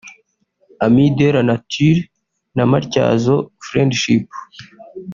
Amis de la Nature na Matyazo Friendship